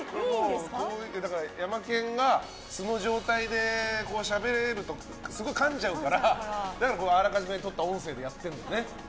ヤマケンが素の状態でしゃべるとすごいかんじゃうからあらかじめとった音声でやってるんだよね。